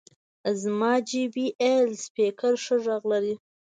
زما جې بي ایل سپیکر ښه غږ لري.